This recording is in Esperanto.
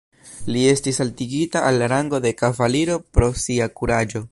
Li estis altigita al rango de kavaliro pro sia kuraĝo.